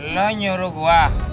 lo nyuruh gua